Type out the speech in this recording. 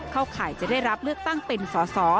ข่ายจะได้รับเลือกตั้งเป็นสอสอ